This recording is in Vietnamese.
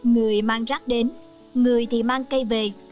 người mang rác đến người thì mang cây về